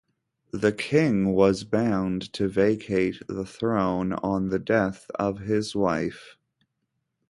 The king was bound to vacate the throne on the death of his wife.